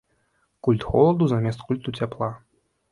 Культ холаду замест культу цяпла.